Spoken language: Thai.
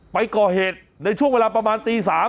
ไปก่อเหตุในช่วงเวลาประมาณตี๓